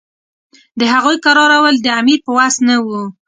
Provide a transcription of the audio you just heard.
د هغوی کرارول د امیر په وس نه وو.